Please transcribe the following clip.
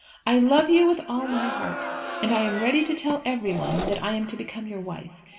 "I love you with all my heart, and am ready to tell everyone that I am to become your wife.